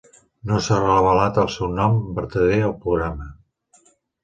No s"ha revelat el seu nom vertader al programa.